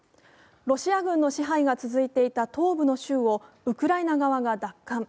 ロシア軍の支配が続いていた東部の州をウクライナ側が奪還。